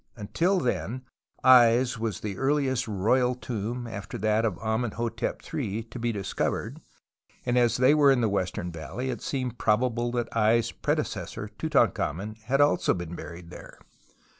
Until then Ay's was the earliest royal tomb, after that of Amenhotep III, to be discovered, and as they were in the Western Valley, it seemed probable that Ay's predecessor Tutan khamen "had also been buried there.